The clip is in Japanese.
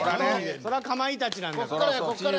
そらかまいたちなんやから。